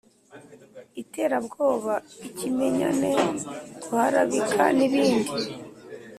iterabwoba, ikimenyane, guharabika n’ibindi.